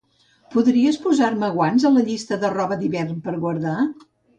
Podries posar-me guants a la llista de roba d'hivern per guardar?